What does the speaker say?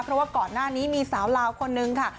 เพราะว่าก่อนหน้านี้มีสาวลาวคนนึงค่ะ